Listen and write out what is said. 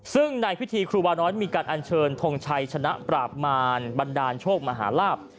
ซึ่งในพิธีครูวาน้อยมีการอัญเชิญทงชัยชนะปราบมารบันดาลโชคมหาลาบ